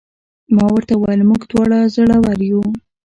ما ورته وویل: موږ دواړه زړور یو.